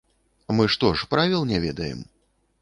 Мы што ж, правіл не ведаем?!